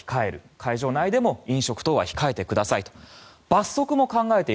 会場内でも飲食等は控えてください。